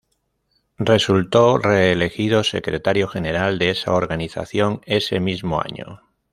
Resultó reelegido secretario general de esa organización ese mismo año.